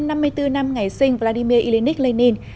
một trăm năm mươi bốn năm ngày sinh vladimir ilyich lenin